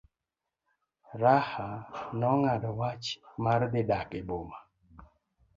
Raha nong'ado wach mar dhi dak e boma.